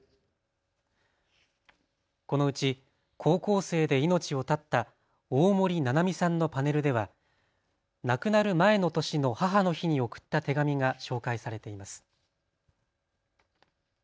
このうち高校生で命を絶った大森七海さんのパネルでは亡くなる前の年の母の日に送った手紙が紹介されています。